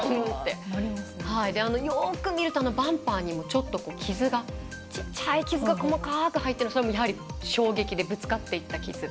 よく見るとバンパーにもちっちゃい傷が細かく入っているのもそれもやはり衝撃でぶつかっていった傷。